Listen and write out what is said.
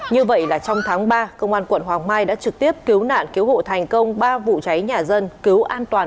như vậy là trong tháng ba công an quận hoàng mai đã trực tiếp cứu nạn cứu hộ thành công ba vụ cháy nhà dân cứu an toàn